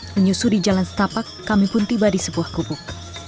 menyusuri jalan setapak kami pun tiba di sebuah gubuk